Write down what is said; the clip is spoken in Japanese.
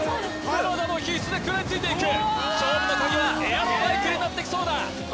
田も必死で食らいついていく勝負のカギはエアロバイクになってきそうだ